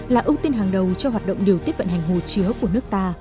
là ưu tiên hàng đầu cho hoạt động điều tiếp cận hành hồ chứa của nước ta